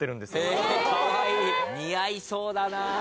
似合いそうだな。